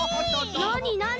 なになに？